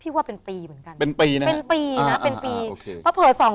ว่าเป็นปีเหมือนกันเป็นปีนะเป็นปีนะเป็นปีเพราะเผลอสอง